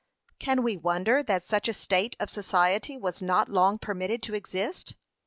Can we wonder that such a state of society was not long permitted to exist?